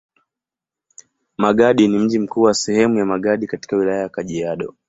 Magadi ni mji mkuu wa sehemu ya Magadi katika Wilaya ya Kajiado.